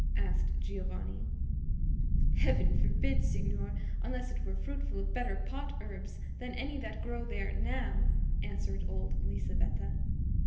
asked Giovanni. "Heaven forbid, signor, unless it were fruitful of better pot herbs than any that grow there now," answered old Lisabetta.